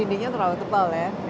dindingnya terlalu tebal ya